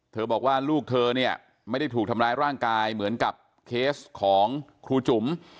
บอกว่าลูกเธอเนี่ยไม่ได้ถูกทำร้ายร่างกายเหมือนกับเคสของครูจุ๋ม